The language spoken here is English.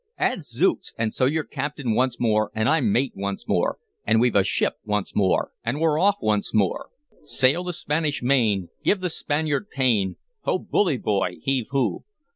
Adzooks! and so you're captain once more, and I'm mate once more, and we've a ship once more, and we're off once more sail the Spanish Main give the Spaniard pain, ho, bully boy, heave ho!